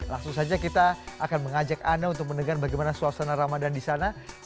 langsung saja kita akan mengajak anda untuk mendengar bagaimana suasana ramadan di sana